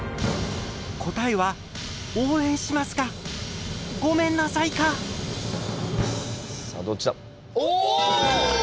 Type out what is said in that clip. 答えは「応援します」か「ごめんなさい」か⁉さあどっちだ⁉お！